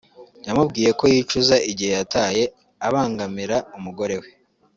yamubwiye ko yicuza igihe yataye abangamira umugore we